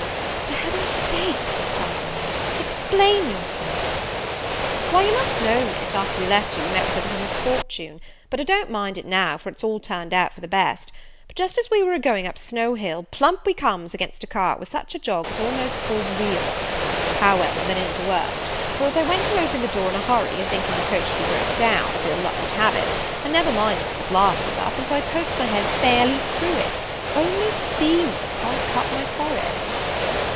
"For Heaven's sake," cried I, "explain yourself." "Why, you must know, Miss, after we left you, we met with a little misfortune; but I don't mind it now, for it's all turned out for the best: but, just as we were a going up Snow Hill, plump we comes against a cart, with such a jogg it almost pulled the coach wheel off. However, that i'n't the worst; for, as I went to open the door in a hurry, a thinking the coach would be broke down, as ill luck would have it, I never minded that the glass was up, and so I poked my head fairly through it. Only see, Miss, how I've cut my forehead!"